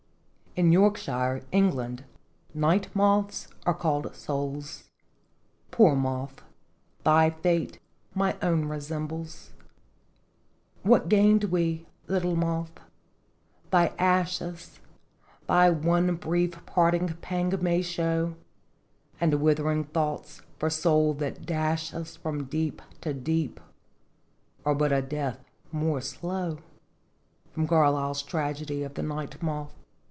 . In Yorkshire, England, night moths are called souls. Poor moth ! thy fate my own resembles What gained we, little moth ? Thy ashes Thy one brief parting pang may show, And withering thoughts for soul that dashes From deep to deep are but a death more slow. Carlyle's Tragedy of the Night Moth.